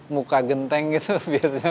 muka genting itu biasanya